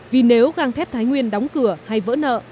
vì nếu găng thép thái nguyên đóng cửa hay vỡ nợ